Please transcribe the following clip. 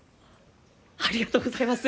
ありがとうございます！